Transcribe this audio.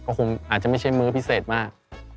ก็คงอาจจะไม่ใช่มื้อพิเศษมาก